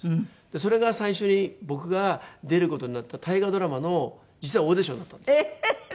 それが最初に僕が出る事になった大河ドラマの実はオーディションだったんです。